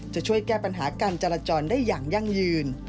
จะช่วยแก้ปัญหาการจราจรได้อย่างยั่งยืน